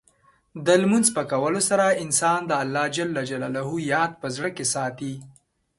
د لمونځ په کولو سره، انسان د الله یاد په زړه کې ساتي.